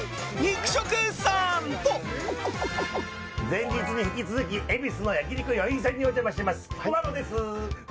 前日に引き続き恵比寿の焼肉よいんさんにお邪魔しています、彦摩呂です！